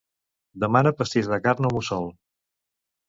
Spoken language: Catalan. Demana pastís de carn al Mussol.